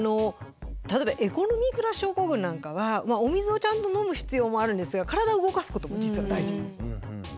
例えばエコノミークラス症候群なんかはお水をちゃんと飲む必要もあるんですが体を動かすことも実は大事ですよね。